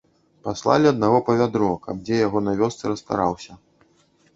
Паслалі аднаго па вядро, каб дзе яго на вёсцы расстараўся.